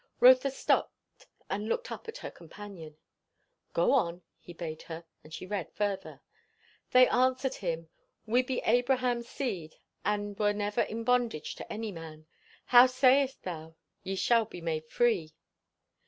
'" Rotha stopped and looked up at her companion. "Go on," he bade her; and she read further. "'They answered him, We be Abraham's seed, and were never in bondage to any man: how sayest thou, Ye shall be made free?